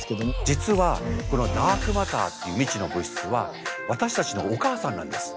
実はこのダークマターっていう未知の物質は私たちのお母さんなんです。